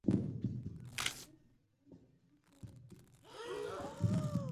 امنیت د ژوند د ټولو چارو لپاره اړین دی.